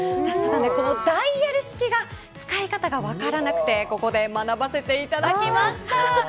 このダイヤル式が使い方が分からなくてここで学ばせていただきました。